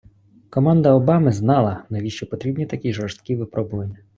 Команда Обами знала, навіщо потрібні такі жорсткі випробування.